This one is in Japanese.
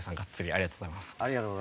ありがとうございます。